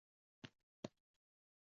邢岫烟来大观园时也住于此。